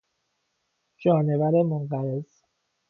جانور منقرض